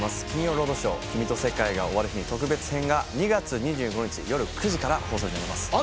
金曜ロードショー『君と世界が終わる日に特別編』が２月２５日夜９時から放送になります。